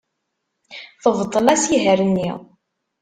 Tebṭel asihaṛ-nni.